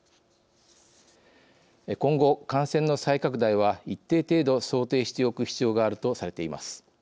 今後、感染の再拡大は一定程度、想定しておく必要があるとされています。